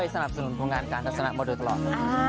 สนับสนุนโครงงานการลักษณะหมดด้วยตลอด